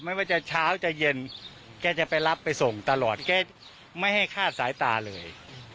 ไม่ว่าจะเช้าจะเย็นแกจะไปรับไปส่งตลอดแกไม่ให้คาดสายตาเลย